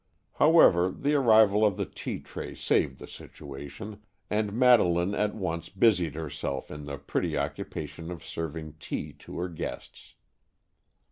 However, the arrival of the tea tray saved the situation, and Madeleine at once busied herself in the pretty occupation of serving tea to her guests.